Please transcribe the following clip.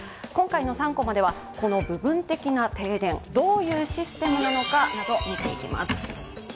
今回の３コマではこの部分的な停電どういうシステムなのかなど見ていきます。